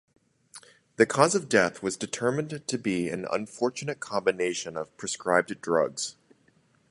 The cause of death was determined to be an "unfortunate combination of prescribed drugs".